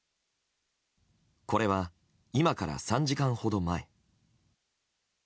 これは今から３時間ほど前。